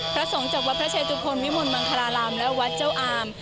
พระส่งจากวัทธเจตุพล์มิมุลมังขราลามและวัดเจ้าอาม